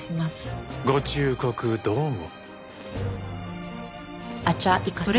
ご忠告どうも。